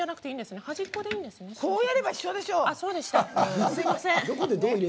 すみません。